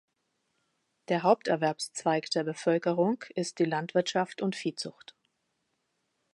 Der Haupterwerbszweig der Bevölkerung ist die Landwirtschaft und Viehzucht.